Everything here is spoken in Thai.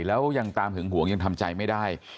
แล้วยังตามหึงหวงยังทำใจไม่ได้